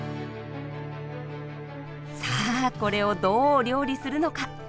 さあこれをどう料理するのか？